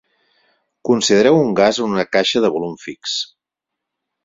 Considereu un gas en una caixa de volum fix.